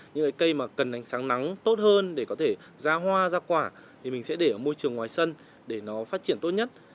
những cái cây mà cần ánh sáng nắng tốt hơn để có thể ra hoa ra quả thì mình sẽ để ở môi trường ngoài sân để nó phát triển tốt nhất